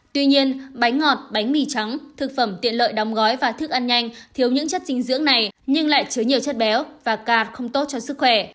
tuy nhiên bánh ngọt bánh mì trắng thực phẩm tiện lợi đóng gói và thức ăn nhanh thiếu những chất dinh dưỡng này nhưng lại chứa nhiều chất béo và cạt không tốt cho sức khỏe